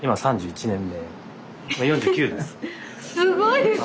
すごいです！